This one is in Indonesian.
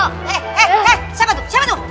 eh eh eh siapa tuh siapa tuh